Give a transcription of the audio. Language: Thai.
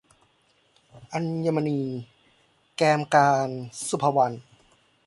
อัญมณี - แกมกาญจน์ ศุภวรรณ